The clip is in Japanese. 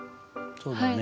そうだね。